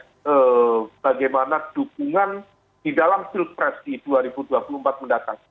dan bagaimana dukungan di dalam field press di dua ribu dua puluh empat mendatang